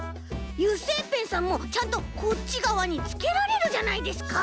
油性ペンさんもちゃんとこっちがわにつけられるじゃないですか！